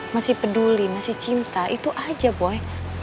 masih peduli masih cinta itu aja boy